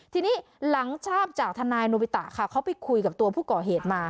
ทีนี้หลังทราบจากทนายโนบิตะค่ะเขาไปคุยกับตัวผู้ก่อเหตุมา